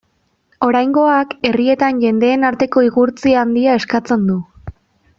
Oraingoak herrietan jendeen arteko igurtzi handia eskatzen du.